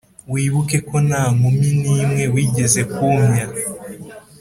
wibuke ko na nkumi n'imwe wigeze kumy a